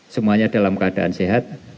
semuanya dalam keadaan sehat